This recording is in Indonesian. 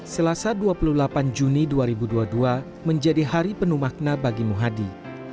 selasa dua puluh delapan juni dua ribu dua puluh dua menjadi hari penuh makna bagi muhadi